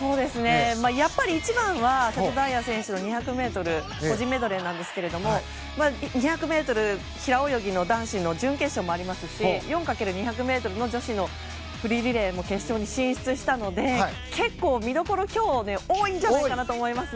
やっぱり一番は瀬戸大也選手の２００ｍ個人メドレーなんですが２００ｍ平泳ぎの男子の準決勝もありますし４×２００ｍの女子のフリーリレーも決勝に進出したので結構見どころ、今日多いんじゃないかなと思います。